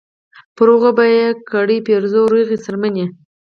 پر هغو به کړي پیرزو روغې څرمنې